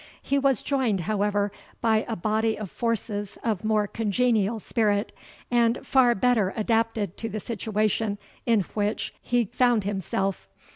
He was joined, however, by a body of forces of more congenial spirit, and far better adapted to the situation in which he found himself.